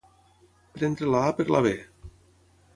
Prendre la a per la be.